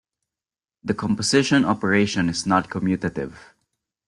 The composition operation is not commutative.